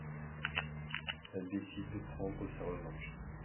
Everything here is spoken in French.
Elle décide de prendre sa revanche.